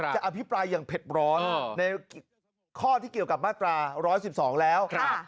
อภิปรายอย่างเผ็ดร้อนในข้อที่เกี่ยวกับมาตรา๑๑๒แล้ว